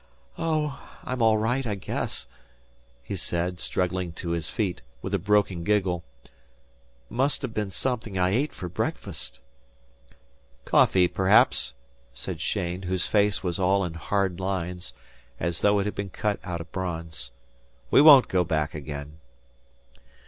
"Oh, I'm all right, I guess," he said, struggling to his feet, with a broken giggle. "Must ha' been something I ate for breakfast." "Coffee, perhaps," said Cheyne, whose face was all in hard lines, as though it had been cut out of bronze. "We won't go back again."